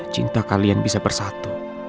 cinta kalian bisa bersatu